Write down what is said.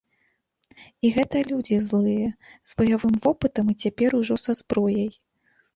І гэта людзі злыя, з баявым вопытам і цяпер ужо са зброяй.